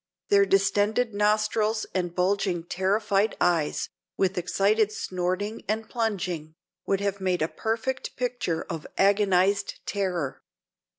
Their distended nostrils and bulging, terrified eyes, with excited snorting and plunging, would have made a perfect picture of agonized terror.